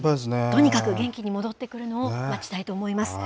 とにかく元気に戻ってくるのを待ちたいと思います。